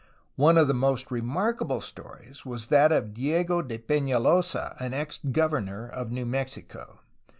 One of the most remarkable stories was that of Diego de Pefialosa, an ex governor of New Mexico.